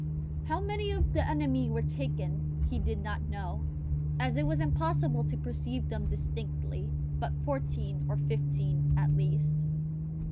How many of the enemy were taken he did not know, as it was impossible to perceive them distinctly, but fourteen or fifteen at least.